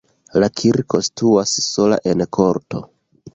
La kirko situas sola en korto.